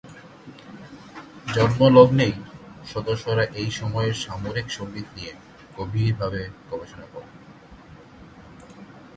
জন্মলগ্নেই সদস্যরা ঐ সময়ের সামরিক সঙ্গীত নিয়ে গভীরভাবে গবেষণা করেন।